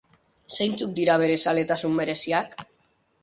Zeintzuk dira bere zaletasun bereziak?